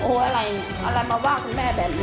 โอ้อะไรเนี่ยอะไรมาว่าคุณแม่แบบนี้